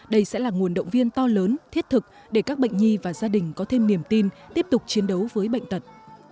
đây sẽ là nguồn động viên to lớn thiết thực để các bệnh nhi và gia đình có thêm niềm tin tiếp tục chiến đấu với bệnh tật